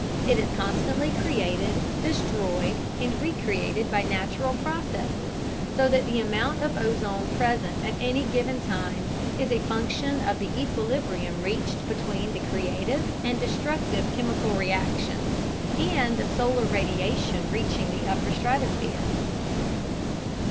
It is constantly created, destroyed, and recreated by natural processes, so that the amount of ozone present at any given time is a function of the equilibrium reached between the creative and destructive chemical reactions and the solar radiation reaching the upper stratosphere.